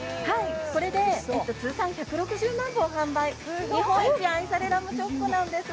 これで通算１６０万本販売、日本一愛されラムチョップなんです。